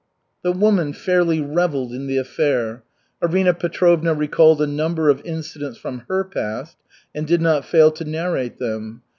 The woman fairly revelled in the affair. Arina Petrovna recalled a number of incidents from her past, and did not fail to narrate them.